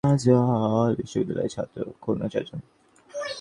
তাঁদের মধ্যে চারজন খুলনা বিশ্ববিদ্যালয়ের শিক্ষার্থী।